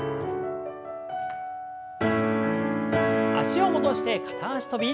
脚を戻して片脚跳び。